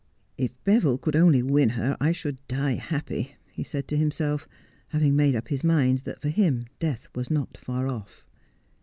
' If Beville could only win her I should die happy,' he said to himself, having made up his mind that for him death was not far off.